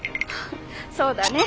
そうだね。